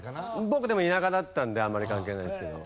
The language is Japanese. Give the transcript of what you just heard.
僕でも田舎だったんであんまり関係ないですけど。